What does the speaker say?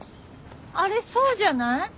あれそうじゃない？